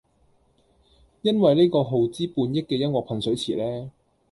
因為呢個耗資半億嘅音樂噴水池呢